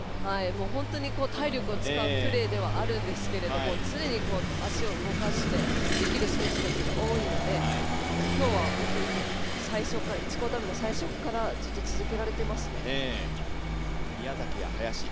本当に体力を使うプレーではあるんですが常に足を動かしてできる選手たちが多いので今日は１クオーター目の最初からずっと続けられていますね。